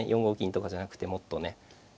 ４五金とかじゃなくてもっとね。